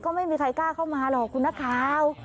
ก็ไม่มีใครกล้าเข้ามาหรอกคุณนักข่าว